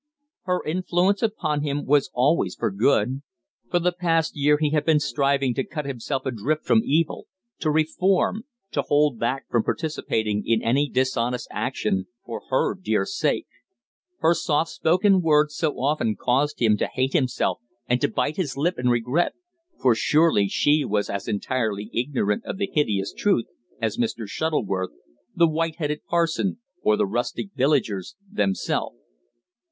Her influence upon him was always for good. For the past year he had been striving to cut himself adrift from evil, to reform, to hold back from participating in any dishonest action for her dear sake. Her soft spoken words so often caused him to hate himself and to bite his lip in regret, for surely she was as entirely ignorant of the hideous truth as Mr. Shuttleworth, the white headed parson, or the rustic villagers themselves.